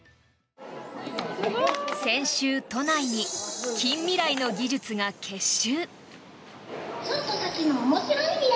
先週、都内に近未来の技術が結集。